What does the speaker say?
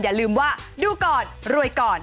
อย่าลืมว่าดูก่อนรวยก่อน